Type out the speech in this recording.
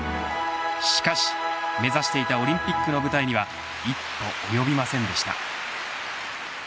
しかし目指していたオリンピックの舞台には一歩及びませんでした。